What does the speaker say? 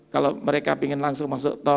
kalau mereka ingin langsung masuk tol